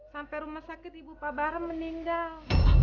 sampai rumah sakit ibu pak bara meninggal